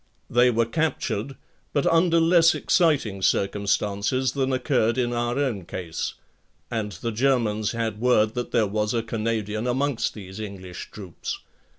They were captured, but under less exciting circumstances than occurred in our own case. And the Germans had word that there was a Canadian amongst these English troops.